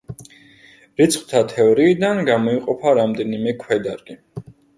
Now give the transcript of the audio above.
რიცხვთა თეორიიდან გამოიყოფა რამდენიმე ქვედარგი.